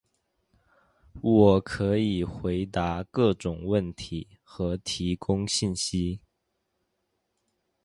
我可以回答各种问题和提供信息。